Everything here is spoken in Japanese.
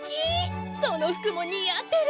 その服も似合ってる！